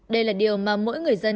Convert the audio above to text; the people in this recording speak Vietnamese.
đây là điều mà mỗi người dân